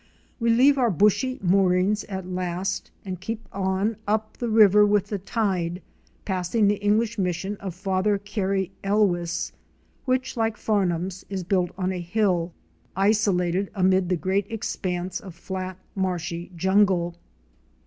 We leave our bushy moorings at last and keep on up the river with the tide, passing the English mission of Father Carey Elwis, which, like Farnum's, is built on a hill, iso lated amid the great expanse of flat marshy jungle.